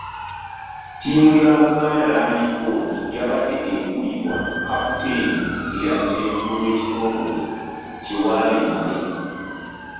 Ttiimu ya Buganda Land Board yabadde ekulirwa kkaputeeni era Ssenkulu w’ekitongole, Kyewalabye Male.